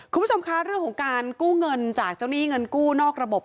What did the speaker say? คุณผู้ชมคะเรื่องของการกู้เงินจากเจ้าหนี้เงินกู้นอกระบบ